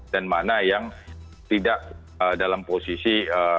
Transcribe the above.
dan mana yang tidak dalam posisi